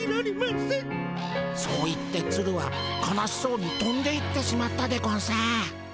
そう言ってツルは悲しそうにとんでいってしまったでゴンス。